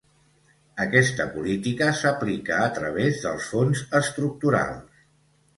Aquesta política s'aplica a través dels Fons Estructurals.